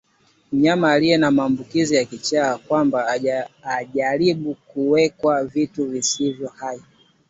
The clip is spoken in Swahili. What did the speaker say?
Mnyama aliye na maambukizi ya kichaa cha mbwa hujaribu kukwea vitu visivyo hai